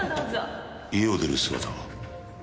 家を出る姿は？